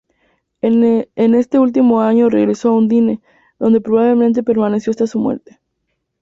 En este último año regresó a Udine, donde probablemente permaneció hasta su muerte.